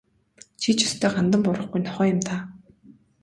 Чи ч ёстой гандан буурахгүй нохой юм даа.